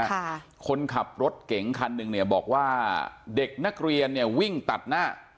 ค่ะคนขับรถเก๋งคันหนึ่งเนี่ยบอกว่าเด็กนักเรียนเนี่ยวิ่งตัดหน้า